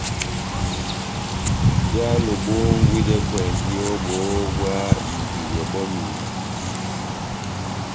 Bwálo bόhongwidɛkwɛndi ó bohó bwá ihibidɛ bɔ́ ó mihiba